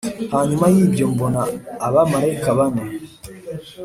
Hanyuma y ibyo mbona abamarayika bane